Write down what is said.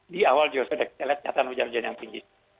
di awal juga sudah kita lihat catatan hujan hujan yang tinggi